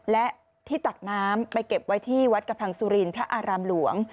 และที่ตักน้ำไปเก็บไว้ที่วัดกระพังสุรินทร์พระอารามหลวง